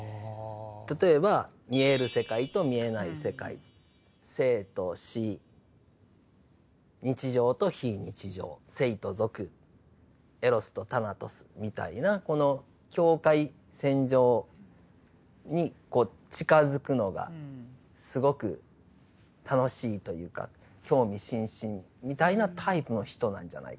例えば見える世界と見えない世界生と死日常と非日常聖と俗エロスとタナトスみたいなこの境界線上に近づくのがすごく楽しいというか興味津々みたいなタイプの人なんじゃないかなぁと思うんです。